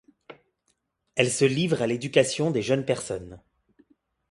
Elle se livre à l'éducation des jeunes personnes.